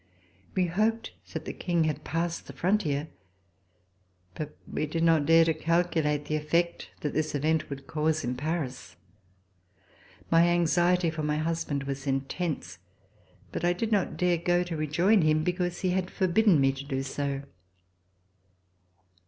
We hoped that the King had passed the frontier, but we did not dare to calculate the effect RECOLLECTIONS OF THE REVOLUTION that this event would cause in Paris. My anxiety for my husband was intense, but I did not dare to go to rejoin him because he had forbidden me to do so.